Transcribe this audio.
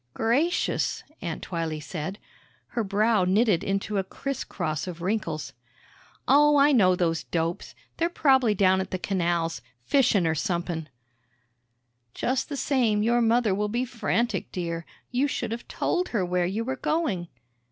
"Gracious," Aunt Twylee said; her brow knitted into a criss cross of wrinkles. "Oh, I know those dopes. They're prob'ly down at th' canals fishin' or somep'n." "Just the same, your mother will be frantic, dear. You should have told her where you were going."